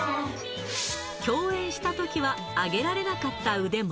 共演したときは挙げられなかった腕も。